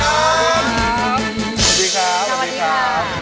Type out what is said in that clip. สวัสดีครับสวัสดีครับ